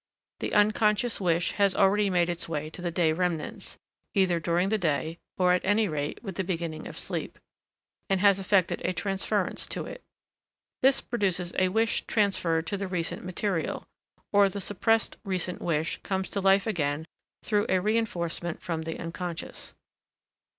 The unconscious wish has already made its way to the day remnants, either during the day or at any rate with the beginning of sleep, and has effected a transference to it. This produces a wish transferred to the recent material, or the suppressed recent wish comes to life again through a reinforcement from the unconscious.